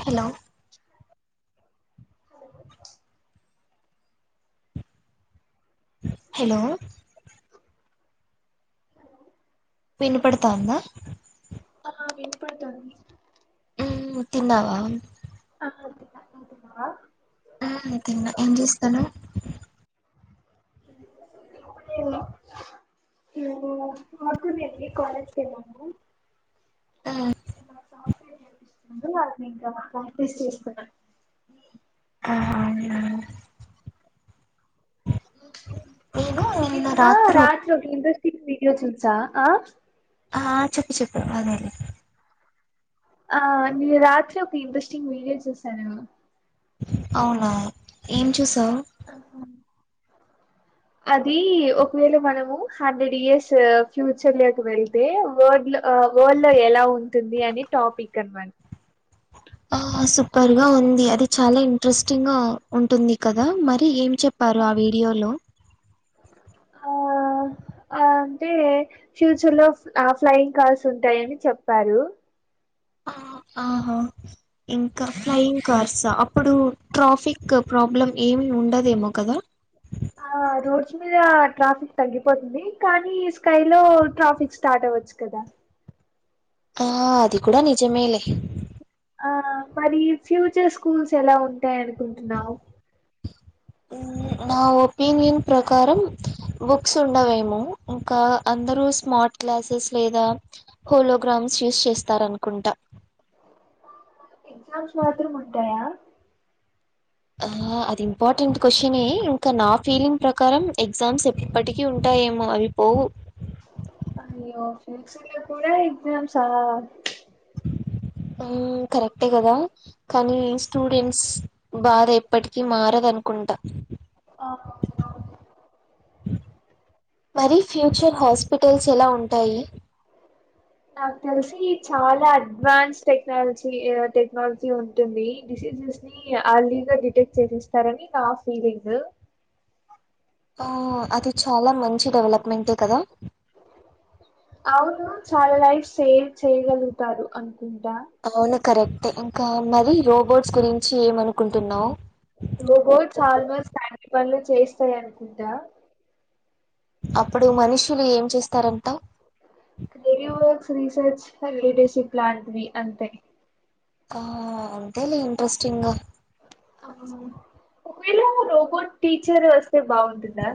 Hello hello వినపడతంద ఆ వినపడ్తుంది హు తిన్నావ ఆ తిన్నా నువ్వు తిన్నావా ఆ తిన్నా ఏం చేస్తానవ్ [inaudible] ఆ [unintelligible] ఇంకా ప్రాక్టీస్ చేస్తన్నా ఆహా అవునా నిన్న రాత్రి ఒక ఇ్రెస్ంగ్ వీడియో చూస ఆ చెప్పు చెప్పు అదేలే ఆ నిన్న రాత్రి ఒక ఇంట్రెస్టింగ్ వీడియో చూసనేను అవునా ఏం చూ ఆహా అది ఒకవేళ మనము హండ్రెడ్ ఇయర్స్ ఫ్యూచర్ లోకి వెళ్తే వర్ ఆ వరల్డ్ లో ఎలా ఉంటుంది అని టాపిక్ అన సూపర్ గా ఉంది అది చాల ఇంట్రెస్టింగ్ గా ఉంటుంది కదా మరి ఎ చెప్పారు ఆ వీడియోలో ఆ ఆ అంటే ఫ్యూచర్ లో ఆ ఫ్లయింగ్ కార్స్ ఉంటాయని చెప్పారు ఆ, ఆహా ఇంక ఫ్లయింగ్ కార్స్ అప్పుడు ట్రాఫిక్ ప్రాబ్లం ఏ ఉండదు ఏమో కదా ఆ రోడ్స్ మీద ట్రాఫిక్ తగ్గిపోతుంది కానీ స్కై లో ట్రాఫిక్ స్టార్ట్ [unintelligible] కదా ఆ అది కూడ నిజమేలే ఆ మరి ఫ్యూచర్ స్కూల్స్ ఎల ఉంటాయ్ అనుకుంటున్నావు నా ఒపీనియన్ ప్రకారం బుక్స్ ఉండవేమో ఇంకా అందరు స్మార్ట్ క్లాసెస్ లేదా హోలోగ్రా [unintelligible] యూజ్ చేస్తారనుకుంట ఎగ్జామ్స్ మాత్రం ఉంటాయ ఆ అది ఇంపార్టెంట్ క్వశ్చనే ఇంక నా ఫీలింగ్ ప్రకారం ఎగ్జామ్స్ ఎప్పటికీ ఉంటాయేమో అవి పోవు వేసవి లో కూడ ఎగ్జామ్స్ ఆ ఆ కరెక్టే కదా కానీ స్టూడెంట్స్ బాధ ఎప్పటికీ మారదు అను ట ఆ మరి ఫ్యూచర్ హాస్పిటల్స్ ఎల ఉంటాయి నాకు తెలిసి చాల అడ్వాన్స్ టెక్నాలజీ టెక్నాలజీ ఉంటుంది అలీగా డిటెక్ట్ చేసిస్తారని నా ఫీలింగ్ ఆ అది చాల మంచి డెవలప్మెటే కదా అవును చాల లైఫ్ సేవ్ చేయగలుగుతారు అనుకుంటా కరెక్ట్ ఇంకా మరి రోబోట్స్ గురించి ఏమనుకుంటున్నావు [unintelligible] పనులు చేస్తాయి అనుకుంటా అప్పుడు మనుషులు ఏం చేస్తారంట హలిడేషిప్ లాంటివి అంతే ఆ అంతే లే ఇంట్రెస్టింగ్గా ఒకవేళ రోబోట్ టీచర్ వస్తే బాగుంటుందా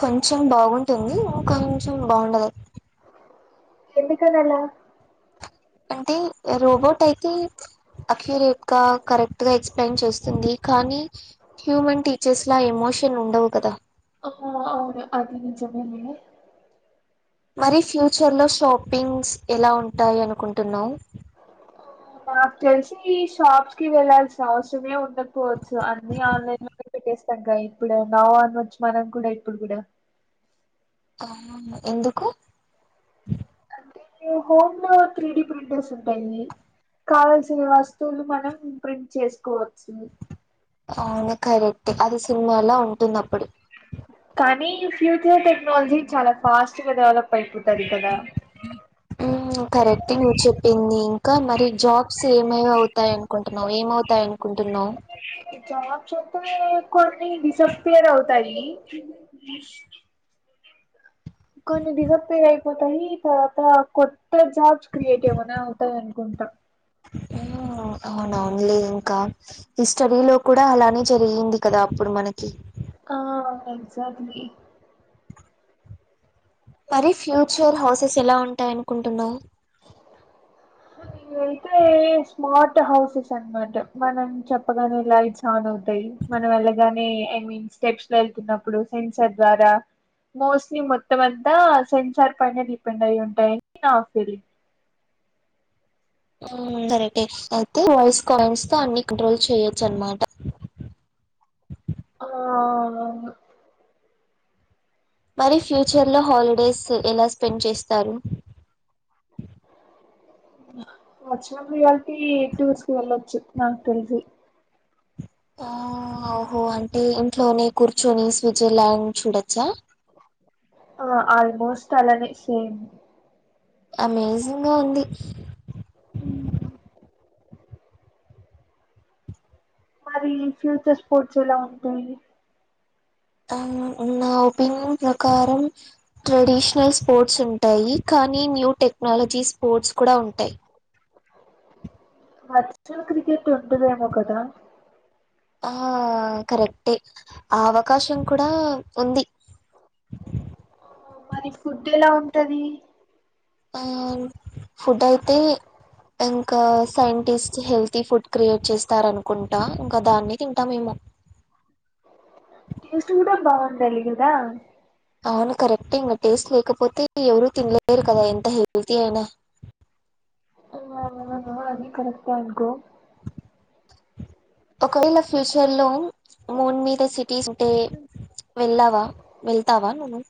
కొంచెం బాగుంటుంది కొంచెం బాగుండదు ఎందుకాని ఆలా అంటే ఇగ రోబోట్ అయితే అఖిరేట్ కరెక్ట్ గా ఎక్స్ప్లెయిన్ చేస్తుంది. కానీ హ్యూమన్ టీచర్స్ ఇలా ఎమోషన్ ఉండవు కదా హొ అవును అది నిజమే మరి ఫ్యూచర్ లో షాపింగ్స్ ఎలా ఉంటాయి అనుకుంటున్నావు నాకు తెలిసి ఈ షాప్ కి వెళ్లాల్సిన అవసరమే ఉండకపోవచ్చు అన్ని ఆన్లైన్ లో పెట్టేస్తాంక ఇప్పుడు మావా అనచ్చు మనం కూడా ఇప్పుడు కూడా ఆవును ఎందుకు అంటే హోమ్ లో త్రీడి ప్రింటర్స్ ఉంటాయి కావల్సిన వస్తువులు మనం ప్రింట్ చేసుకోవచ్చు ఆవును కరెట్టే అది సినిమాలా ఉంటుంది ఆప్పుడు కానీ ఫ్యూచర్ టెక్నాలజీ చాలా ఫాస్ట్ గా డెవలప్ అయిపోతది కదా హ్ కరెట్టే నువ్వు చెప్పింది చెప్పింది ఇంకా మరి జాబ్స్ ఏమయి అవుతాయి అనుకుంటున్నావు ఏమవుతాయ అనుకుంటున్నావు జబ్స్ మెత్తం కొన్ని డిసపియార్ అవుతాయి కొన్ని డిసప్పీర్ అయిపోతాయి తర్వాత కొత్త జాబ్స్ క్రియేట్ ఏమన్నా అవుతాయి అనుకుంట అంటా అవునా ఓన్లీ ఇంకా హిస్టరీలో కూడా అలానే జరిగింది. కదా అప్పుడు మనకి ఆ ఎగ్ జాట్లీ మరి ఫ్యూచర్ హౌసెస్ ఎలా ఉంటాయి అనుకుంటున్నావు అ అయితే స్మార్ట్ హౌసెస్ అనమాట మనం చెప్పగానే లైట్స్ ఆన్ అవుతాయి మనం వెళ్ళగానే ఐ మీన్ స్టెప్స్ లో వెళ్తున్నప్పుడు సెన్సర్ ద్వారా మోస్ట్లీ మొత్తం అంత సెన్సార్ పైన డిపెండ్ అయి ఉంటాయి నా ఫీలింగ్ కరెక్టే అయితే వాయిస్ కాయిన్స్ తో అన్ని కంట్రోల్ చేయొ చన్మాట ఆ మరి ఫ్యూచర్ లో హాలిడేస్ ఎలా స్పెండ్ చేస్తారు వర్చువల్ రియాలిటీ టూర్స్ కి వెళ్లొచ్చు నాకు తెలిసి ఆ ఓహో అంటే ఇంట్లోనే కూర్చొని స్విచ్ ఎలా ఆయన చూడోచ్చా చ్చలనే సేమ్ అమేజింగ్ గా ఉంది హ్ మరి ఫ్యూచర్ స్పోర్ట్స్ ఎలా ఉంటాయి నా ఒపీనియన్ ప్రకారం ట్రెడిషనల్ స్పోర్ట్స్ ఉంటాయి కానీ న్యూ టెక్నాలజీ పోర్ట్స్ కూడా ఉంటాయి ఫస్ట్ క్రికెట్ ఉండా దేమో కదా ఆ కరెక్టే ఆ అవకాశం కూడా ఉంది మరి ఫుడ్ ఎలా ఉంటది ఆ ఫుడ్ అయితే ఇంకా సైంటిస్ట్ హెల్తీ ఫుడ్ క్రియేట్ చేస్తారనుకుంటా ఇంకా దాన్ని తింటా మేము టేస్ట్ కూడా బాగుండాలి కదా అవును కరెక్టే ఇంకా టేస్ట్ లేకపోతే ఎవరూ తినలేరు కదా ఎంత హెల్తీ అయినా అది కరెక్టే అనుకో ఒకవేళ ఫ్యూచర్ లో మూన్ మీద సి పీస్ ఉంటే వెళ్ళావా వెళ్తావా నును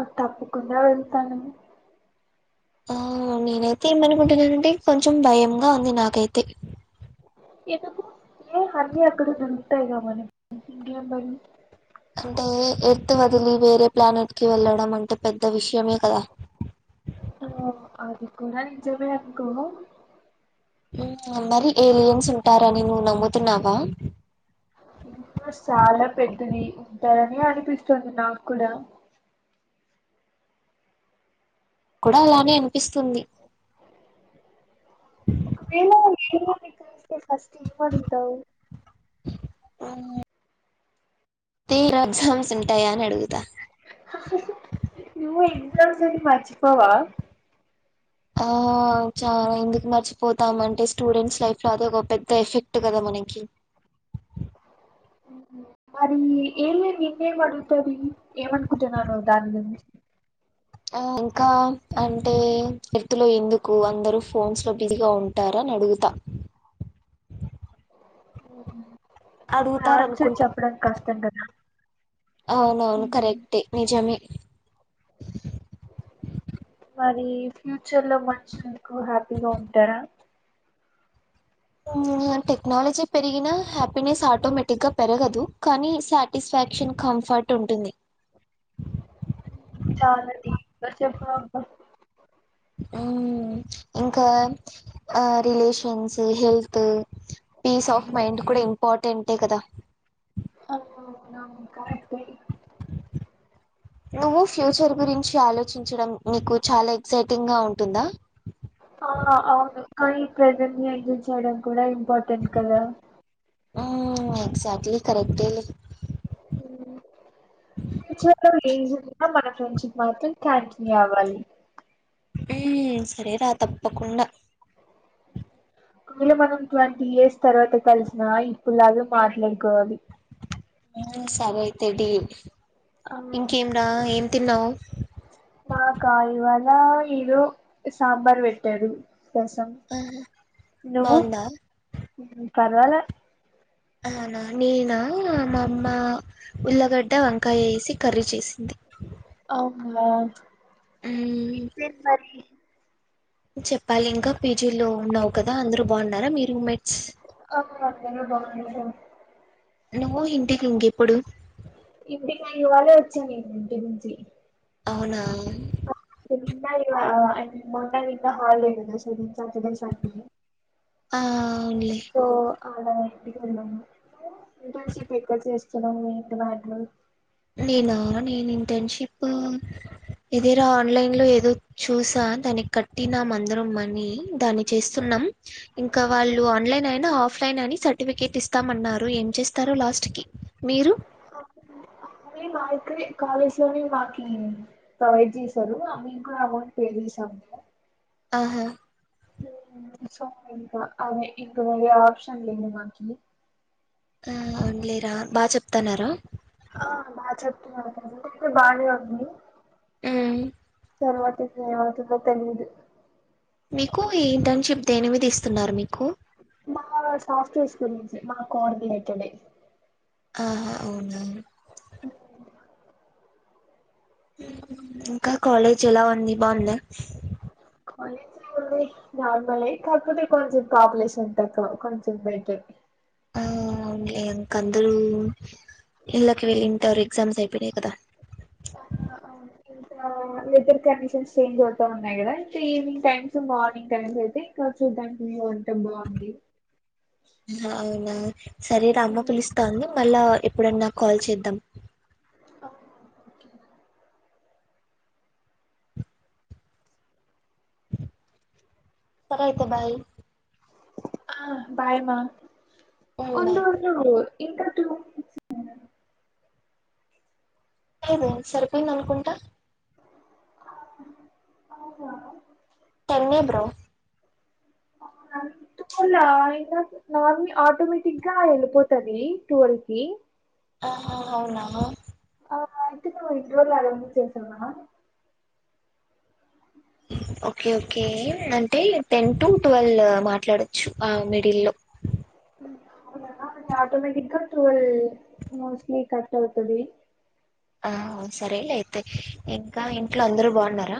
అ తప్పకుండ వెళుతాను ఆ నేనైతే ఎమనుకుంటున్నానంటే కొంచెం భయంగా ఉంది నాకైతే ఏ హరిని అక్క దగ్గర ఉంటాయి క మని ఇంగేం బని అంటే ఎర్త్ వదిలి వేరే ప్లానెట్ కి వెళ్ళడం అంటే పె ద విష్యమే కదా ఆ అది కూడా నిజమే అక్కో మరి ఏలియన్స్ ఉంటారని నువ్వు నమ్ముతున్నావా ఇంకా చాలా పెద్దది ఉంటారని అనిపిస్తుంది నాకు కూడా కూడా అలానే అనిపిస్తుంది ఒకవేళ ఏలియన్ నీ కలిస్తే ఫస్ట్ ఏమడుగుతావు అన్ని తే ఎగ్జామ్స్ ఉంటాయా అని అడుగు నువు ఎగ్జామ్స్ నీ మర్చిపోవ ఆ చాలా ఎందుకు మర్చిపోతాం అంటే స్టూడెంట్స్ లైఫ్ లో అది ఒక పెద్ద ఎఫెక్ట్ కదమ మనకి అందుకనే మరి ఏలియన్ నిన్నేం అడుగుతది ఏమనుకుంటున్నావు నువు దాని గురించి ఆ ఇంకా అంటే ఎర్త్ లో ఎందుకు అందరు ఫోన్స్ లో బిజిగా ఉం టారు అని అడుగుతా అప్పుడు అడుగుతారు ఆన్సర్ అనుకుంటా చేప్పడం కష్టంగాదా అవునవును కరెక్టే నిజమే మరి ఫ్యూచర్ లో మనుషులు ఎందుకు హ్యాపీగా ఉంటారా అ టెక్నాలజీ పెరిగిన హ్యాపీనెస్ ఆటోమేటిక్ గా పెరగదు కానీ సాటిస్ఫాక్షన్ కా కంఫర్ట్ ఉంటుంది చాల డిప్గా చెప్పవబ్బ ఇంకా relations health peace of mind కూడా ఇంపార్టెంటే కదా అవునవును కరెక్టే నువ్వు ఫ్యూచర్ గురించి ఆలోచించడం నీకు చాలా ఎక్సైటింగ్గా ఉంటుందా ఆ అవును కానీ ప్రజెంట్ని ఎంజాయ్ చేయడం కూడా ఇం పార్టెంట్ కదా ఎక్సాక్ట్లీ కరెక్టే లే హ ఫ్యూచర్ లో ఏం జరిగిన మన ఫ్రెండ్షిప్ మాత్రం కంటిన్యూ అవ్వాలి ఉ సరేరా తప్పకుండా ఒకవేళ మనం ట్వంటీ ఇయర్స్ తర్వాత కలిసిన ఇప్పుడులాగ మాట్లాడుకోవాలి ఆ సరే అయితే డీల్ ఆ ఇంకేం రా ఏం తిన్నావ్ మాక ఇవాల ఏదో సాంబార్ పెట్టాడు రసం ఆహా నువ్వు బావుందా పర్వాల అవునా నేనా మా అమ్మ ఉల్లగడ్డ వంకాయ వేసి కర్రీ చేసింది అవునా హ్మ్ ఇంకేం మరి చెప్పాలి ఇంకా పీజీ లో ఉన్నావు కదా అందరుూ బాగున్నారా మీ రూమ్ మేట్స్ అ అందరూ బాగున్నారు నువ్వు ఇంటికి ఇంకెప్పుడు ఇంటిక ఇవాళే వచ్చింది నేను ఇంటి నుంచి అవునా నిన్న ఇవాళ ఐ మీన్ మొన్న నిన్న హాలిడేస్ కదా సో సాటర్డే సండే ఆ అవునులే సో అలానే ఇంటికి వెళ్ళాము ఇంటర్న్షిప్ ఎక్కడ చేస్ చలో మీ ఇంటి బ్యాగ్ నేనా నేను ఇంటర్న్షిప్ ఇదేరా ఆన్లైన్ లో ఏదో చూసా దానికి కట్టినం అందరం మనీ దాన్ని చేస్తున్నాం ఇంకా ఓకే వాళ్ళు ఆన్లైన్ అయినా ఆఫ్లైన్ అని సర్టిఫికెట్ ఇస్తామన్నారు ఏం చేస్తారో లాస్ట్ కి మీరు మా ఇక్కడే కాలేజ్ లోని మాకి ప్రొవైడ్ చేశారు ఆ మేము కూడా అమౌంట్ పే చేసాం అ ఆహా సో ఇంకా అవే ఇంకా వేరే ఆప్షన్ లేదు నాకి ఆ అవునులేరా బా చెప్తన్నారా ఆ ఇప్పుడు బానే ఉంది ఉ తర్వాత కి ఏం అవుతుందో తెలీదు మీకు ఈ ఇంటర్న్షిప్ దేనివిది ఇస్తున్నారు మీ మా సాఫ్ట్వేర్స్ గురించే మా కోఆర్డిలేటెడే ఆహా అవునా ఉ ఇంకా కాలేజ్ ఎలా ఉంది బాగుందా కాలేజ్ది ఏం ఉంది నార్మల్ కాకపోతే కొంచెం పాపులేషన్ తక్కువ కొంచెం బెటర్ ఆ, అవునులే ఇంక అందరూ ఇళ్ళకి వెళ్ళింటారు ఎగ్జామ్స్ అయిపోనాయి కదా ఆ అవును ఇంకా వెదర్ కండిషన్స్ చేంజ్ అవుతా ఉన్నాయి కదా అయితే ఈవినింగ్ టైమ్స్ మార్నింగ్ టైమ్స్ అయితే ఇంకా చూడ్డానికి వంట బాగుంది అవునా సరేరా అమ్మ పిలుస్తోంది మళ్ళా ఎప్పుడన్నా కాల్ చేద్దాం ఆ ఓకే సరే అయితే బాయ్ ఆ బాయ్ మా ఉమ్ ఉండు బాయ్ ఉండు ఇంకా టూ లేదు సరిపోయింది అనుకుంటా ఆ ఓహో తన్నే బ్రో అవునా అవునా ఆటోమేటిక్ గా వెళ్ళిపోతది [unintelligible] ఆహ అవునా [inaudible] ఓకే ఓకే అంటే టెన్ టు ట్వెల్వ్ మాట్లాడొచ్చు ఆ మిడిల్లో ఆటోమేటిక్గా ట్రోల్ మోస్ట్లీ కట్ అవుతది ఆ సరేలే అయితే ఇంక ఇంట్లో అందరు బాగున్నార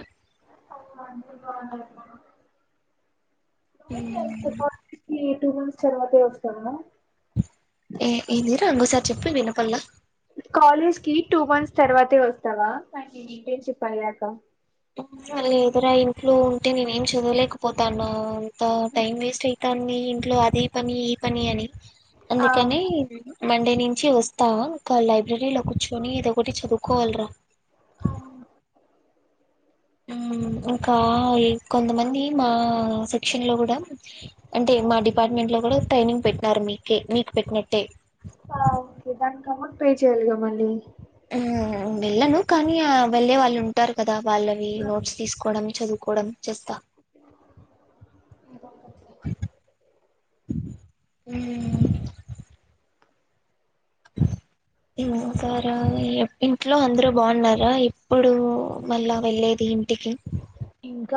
అవునండి [unintelligible] హు [unintelligible] మంత్స్ తర్వాతే వస్తా [unintelligible] ఏ ఏందిరా ఇంగోసారి చెప్పు వినపల్లా కాలేజ్కి టూ మంత్స్ తర్వాతే వస్తావా ఇన్న్షిప్ అయ్యాక లేదురా ఇంట్లో ఉంటే నేను ఏం చదలేకపోతానా అంత టైం వేస్ట్ అయితాంది ఇంట్లో అది పని ఈ పని అని ఆ అందుకని మండే నుంచి వస్తా ఇంకా లైబ్రరీలో కూర్చొని ఇదొ ఒకటి చదువుకోవాలిరా అవును ఇంకా కొంతమంది మా సెక్షన్ లో కూడ అంటే మా డిపార్ట్మెంట్ లో కూడ ట్రైనింగ్ పెట్టినారు మీకే మీకు పెట్టినట్టే [unintelligible] చేయ్యాలిగా మళ్ళీ ఆ వెళ్ళను కానీ వెల్లే వాళ్ళు ఉంటారు కదా వాళ్ళవి నోట్స్ తీసుకోవడం చదువుకోవడం చేస్త ఉ [unintelligible] ఇంట్లో అందరు బాగున్నారా ఎప్పుడు మళ్ళా వెళ్లేేది టికి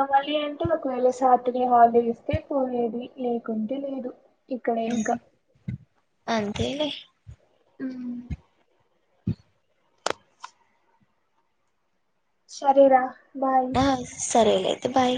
కావాలి అంటే ఒకవేళ సటర్డే హాలిడే ఇస్తే పోయేది లేకుంటే లేదు ఇక్కడే ఇంకా అంతేలే ఉ సరేరా బాయ్. అ సరే లే ఐతే బాయ్